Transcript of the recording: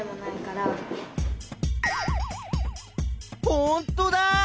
ほんとだ！